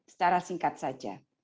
secara singkat saja